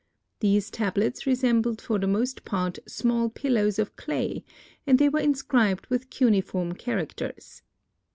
These tablets resembled for the most part small pillows of clay and they were inscribed with cuneiform characters.